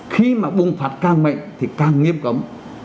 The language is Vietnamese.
khi mà bùng phát càng mạnh thì càng nghiêm cấm